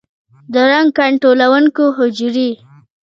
د رنګ کنټرولونکو حجرې